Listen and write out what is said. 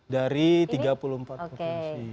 enam puluh delapan dari tiga puluh empat provinsi